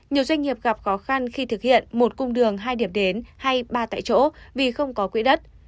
nhiều doanh nghiệp gặp khó khăn khi thực hiện một cung đường hai điểm đến hay ba tại chỗ vì không có quỹ đất